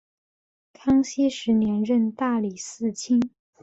康熙十年任大理寺卿。